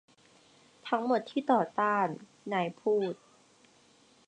ทั้งหมดที่ต่อต้าน นายพูด